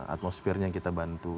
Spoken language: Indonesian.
atmosfernya yang kita bantu